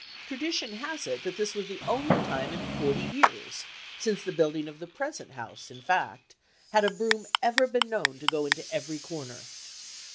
Tradition has it that this was the only time in forty years since the building of the present house in fact had a broom ever been known to go into every corner.